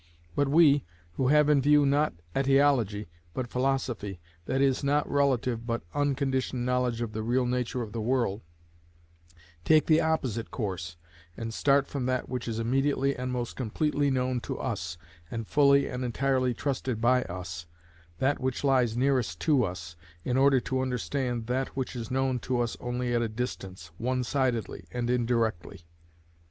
But we, who have in view not etiology but philosophy, that is, not relative but unconditioned knowledge of the real nature of the world, take the opposite course, and start from that which is immediately and most completely known to us, and fully and entirely trusted by us—that which lies nearest to us, in order to understand that which is known to us only at a distance, one sidedly and indirectly.